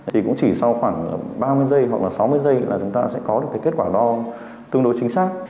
thì cũng chỉ sau khoảng ba mươi giây hoặc là sáu mươi giây là chúng ta sẽ có được cái kết quả đo tương đối chính xác